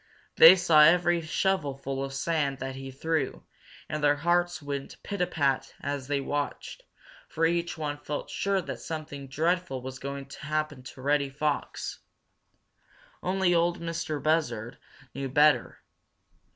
They saw every shovelful of sand that he threw, and their hearts went pit a pat as they watched, for each one felt sure that something dreadful was going to happen to Reddy Fox. Only Ol' Mistah Buzzard knew better.